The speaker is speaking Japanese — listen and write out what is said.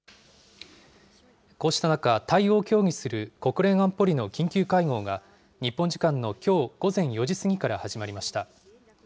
こうした中、対応を協議する国連安保理の緊急会合が、日本時間のきょう午前４時過ぎから始まりました。